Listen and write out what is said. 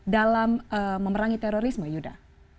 dalam memerangi terorisme yuda